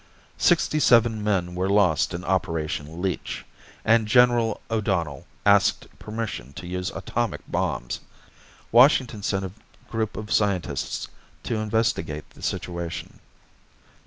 Sixty seven men were lost in Operation Leech, and General O'Donnell asked permission to use atomic bombs. Washington sent a group of scientists to investigate the situation.